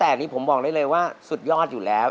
แต่อันนี้ผมบอกได้เลยว่าสุดยอดอยู่แล้ว